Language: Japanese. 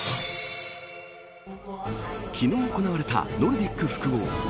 昨日行われたノルディック複合。